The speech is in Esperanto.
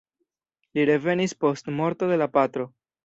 Li revenis post morto de la patro.